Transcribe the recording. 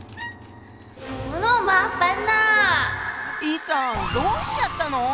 易さんどうしちゃったの？